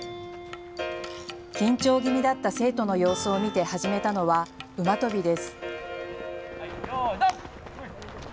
緊張気味だった生徒の様子を見て始めたのは馬跳びです。